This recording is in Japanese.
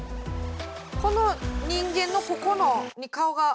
この人間のここに顔が。